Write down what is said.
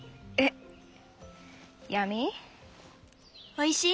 おいしい？